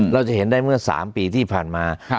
เราจะเห็นได้เมื่อ๓ปีที่ผ่านมา